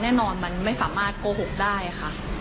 แน่นอนมันไม่สามารถโกหกได้ค่ะ